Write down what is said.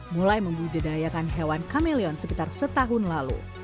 mulai membudidayakan hewan kameleon sekitar setahun lalu